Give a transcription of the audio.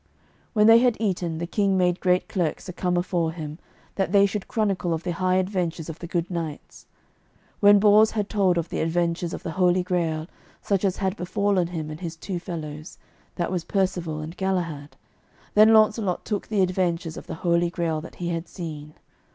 When they had eaten, the King made great clerks to come afore him, that they should chronicle of the high adventures of the good knights. When Bors had told of the adventures of the Holy Grail, such as had befallen him and his two fellows, that was Percivale and Galahad, then Launcelot told the adventures of the Holy Grail that he had seen.